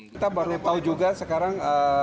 kita baru tahu juga sekarang